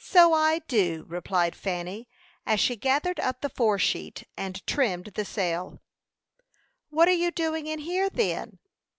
"So I do," replied Fanny, as she gathered up the fore sheet, and trimmed the sail. "What are you doing in here, then?"